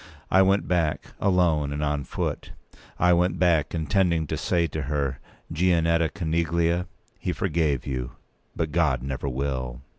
I went back, alone and on foot. I went back, intending to say to her, "Gianetta Coneglia, he forgave you; but God never will."